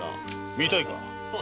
見たいか？